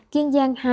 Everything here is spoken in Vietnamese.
kiên giang hai